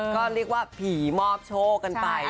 ก็เรียกว่าผีมอบโชคกันไป